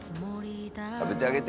食べてあげて。